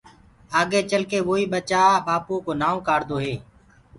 آگي چل ڪي ووئيٚ ٻچآ ٻآپوو ڪو نآئو ڪآڙدوئي